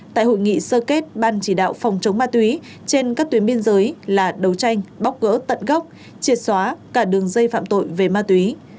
tại hội nghị sơ kết ban chỉ đạo phòng chống ma túy trên các tuyến biên giới là đấu tranh bóc gỡ tận gốc triệt xóa cả đường dây phạm tội về ma túy